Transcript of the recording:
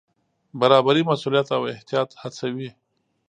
برابري مسوولیت او احتیاط هڅوي.